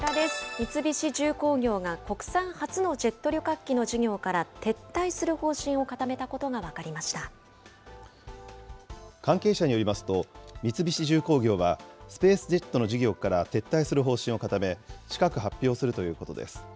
三菱重工業が国産初のジェット旅客機の事業から撤退する方針を固関係者によりますと、三菱重工業は、スペースジェットの事業から撤退する方針を固め、近く発表するということです。